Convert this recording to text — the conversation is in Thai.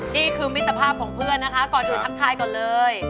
นี่คือมิตรภาพของเพื่อนนะคะก่อนอื่นทักทายก่อนเลย